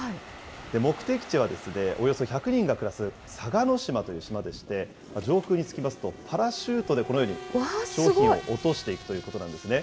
目的地はおよそ１００人が暮らす嵯峨島という島でして、上空に着きますと、パラシュートでこのように商品を落としていくということなんですね。